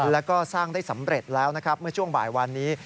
แล้วก็สร้างได้สำเร็จแล้วช่วงบ่ายวันนี้